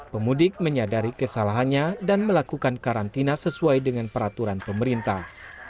pemudik menyadari kesalahannya dan melakukan karantina sesuai dengan peraturan pemerintah